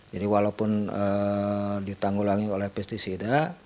jadi walaupun ditanggulangi oleh pesticida